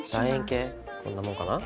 こんなもんかな。